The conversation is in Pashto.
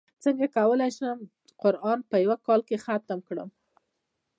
څنګه کولی شم قران په یوه کال کې ختم کړم